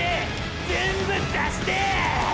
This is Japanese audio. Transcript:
全部出してぇ！！